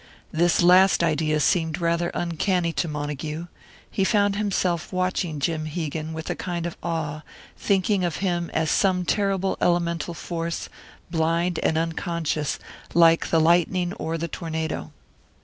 This last idea seemed rather uncanny to Montague; he found himself watching Jim Hegan with a kind of awe; thinking of him as some terrible elemental force, blind and unconscious, like the lightning or the tornado.